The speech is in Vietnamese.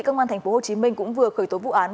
cơ quan tp hồ chí minh cũng vừa khởi tố vụ án